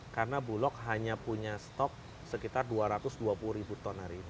karena bulog hanya punya stok sekitar dua ratus dua puluh ribu ton hari ini